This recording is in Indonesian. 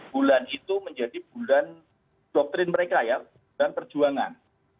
bulan itu menjadi bulan doktrin mereka ya dalam perjuangan